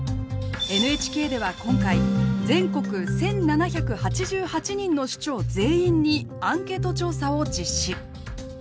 ＮＨＫでは今回全国１，７８８人の首長全員にアンケート調査を実施。